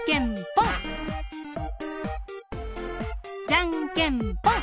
じゃんけんぽん！